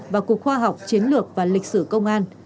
và cục khoa học chiến lược và lịch sử công an